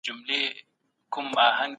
ولي شکنجه کول منع دي؟